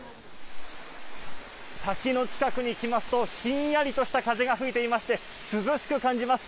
滝の近くに来ますと、ひんやりとした風が吹いていまして、涼しく感じます。